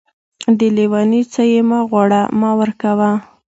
د لېوني څه يې مه غواړه ،مې ورکوه.